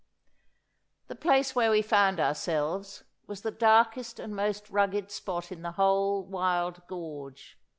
The place where we found ourselves was the darkest and most rugged spot in the whole wild gorge.